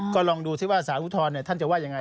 ก็ลองดูซิว่าสารอุทธรณ์ท่านจะว่ายังไง